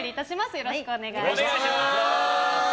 よろしくお願いします。